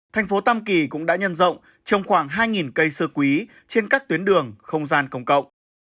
tp tam kỳ cũng đã nhân rộng trong khoảng hai cây xưa quý trên các tuyến đường không gian công cộng